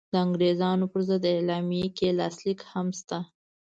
د انګرېزانو پر ضد اعلامیه کې یې لاسلیک هم شته.